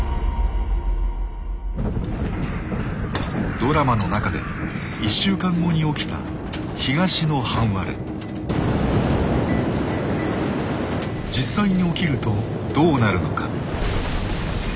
ドラマの中で１週間後に起きた実際に起きるとどうなるのか。